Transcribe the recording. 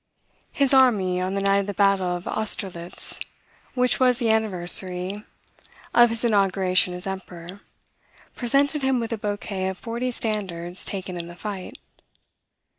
His army, on the night of the battle of Austerlitz, which was the anniversary of his inauguration as Emperor, presented him with a bouquet of forty standards taken in the fight.